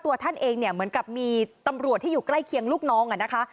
ท่านเองเนี่ยเหมือนกับมีตำรวจที่อยู่ใกล้เคียงลูกน้องอ่ะนะคะ